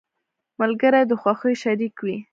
ملګري د خوښیو شريک وي.